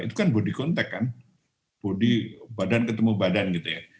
itu kan body contact kan budi badan ketemu badan gitu ya